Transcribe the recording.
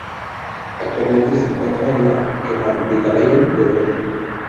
Actualmente se encuentra en la Gemäldegalerie de Berlín.